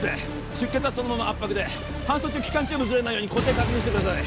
出血はそのまま圧迫で搬送中気管チューブずれないように固定確認してください